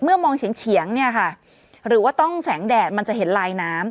มองเฉียงเนี่ยค่ะหรือว่าต้องแสงแดดมันจะเห็นลายน้ำ